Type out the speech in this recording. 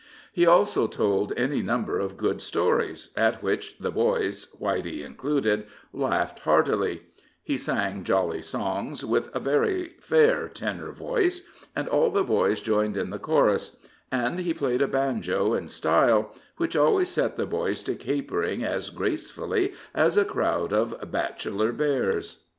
He also told any number of good stories, at which the boys, Whitey included, laughed heartily; he sang jolly songs, with a very fair tenor voice, and all the boys joined in the chorus; and he played a banjo in style, which always set the boys to capering as gracefully as a crowd of bachelor bears.